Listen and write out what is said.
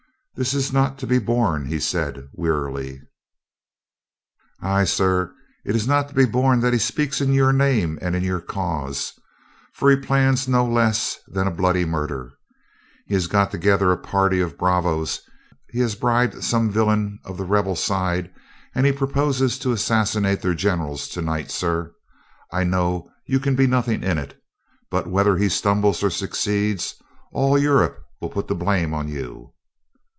"This is not to be borne," he said wearily. "Ay, sir, it is not to be borne that he speaks in your name and in your cause. For he plans no less than a bloody murder. He has got together a party of bravos, he has bribed some villain of the rebel side, and he purposes to assassinate their gen erals to night. Sir, I know you can be nothing in it, but whether he stumble or succeed, all Europe will put the blame on you."